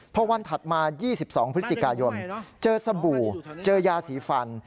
พอวันถัดมา๒๒พฤศจิกายนเจอสบู่เจอยาสีฟัน